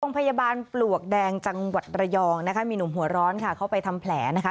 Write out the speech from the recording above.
โรงพยาบาลปลวกแดงจังหวัดระยองนะคะมีหนุ่มหัวร้อนค่ะเขาไปทำแผลนะคะ